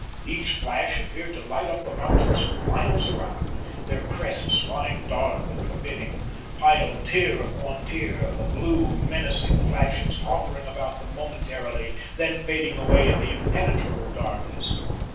Each flash appeared to light up the mountains for miles around, their crests lying dark and forbidding, piled tier upon tier, the blue, menacing flashes hovering about them momentarily, then fading away in the impenetrable darkness.